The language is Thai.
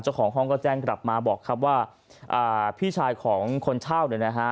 เจ้าของห้องก็แจ้งกลับมาบอกครับว่าอ่าพี่ชายของคนเช่าเนี่ยนะฮะ